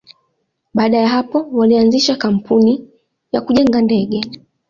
Baada ya hapo, walianzisha kampuni ya kujenga ndege.